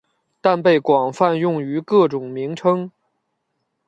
但被广泛用于各种名称。